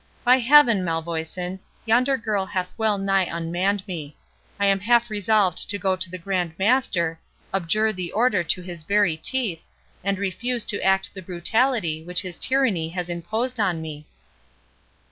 By Heaven, Malvoisin, yonder girl hath well nigh unmanned me. I am half resolved to go to the Grand Master, abjure the Order to his very teeth, and refuse to act the brutality which his tyranny has imposed on me."